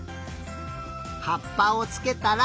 はっぱをつけたら。